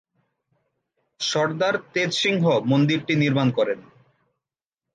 সরদার তেজ সিংহ মন্দিরটি নির্মাণ করেন।